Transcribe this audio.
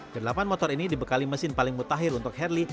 kedelapan motor ini dibekali mesin paling mutakhir untuk harley